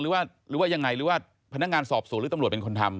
หรือว่ายังไงหรือว่าพนักงานสอบสวนหรือตำรวจเป็นคนทำ